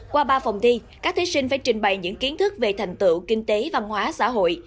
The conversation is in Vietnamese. qua ba phòng thi các thí sinh phải trình bày những kiến thức về thành tựu kinh tế văn hóa xã hội